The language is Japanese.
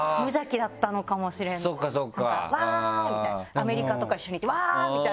アメリカとか一緒に行ってわぁ！みたいな。